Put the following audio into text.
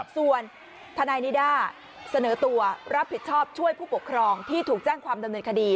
ส่วนทนายนิด้าเสนอตัวรับผิดชอบช่วยผู้ปกครองที่ถูกแจ้งความดำเนินคดี